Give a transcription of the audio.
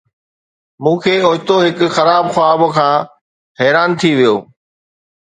مون کي اوچتو هڪ خراب خواب کان حيران ٿي ويو